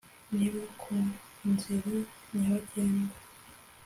niba ku nzira nyabagendwa.